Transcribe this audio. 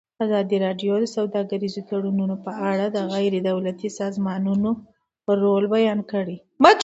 ازادي راډیو د سوداګریز تړونونه په اړه د غیر دولتي سازمانونو رول بیان کړی.